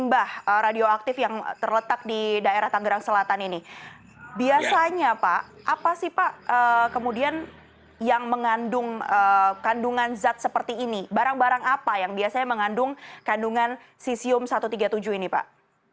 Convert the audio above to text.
barang barang apa yang biasanya mengandung kandungan cesium satu ratus tiga puluh tujuh ini pak